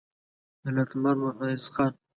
جلالتمآب محمدعزیز خان: